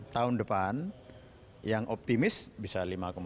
tahun depan yang optimis bisa lima empat